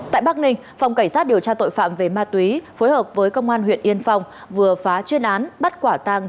tại bắc ninh phòng cảnh sát điều tra tội phạm về ma túy phối hợp với công an huyện yên phong vừa phá chuyên án bắt quả tàng